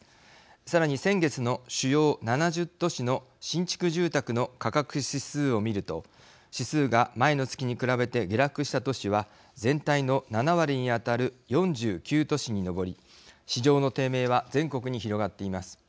さらに先月の主要７０都市の新築住宅の価格指数を見ると指数が前の月に比べて下落した都市は全体の７割に当たる４９都市に上り市場の低迷は全国に広がっています。